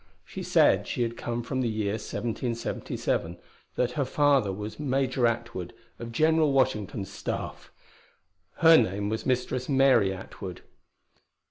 She said she had come from the year 1777, that her father was Major Atwood, of General Washington's staff! Her name was Mistress Mary Atwood.